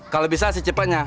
kalo bisa sih cepetnya